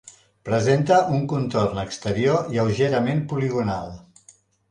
Presenta un contorn exterior lleugerament poligonal.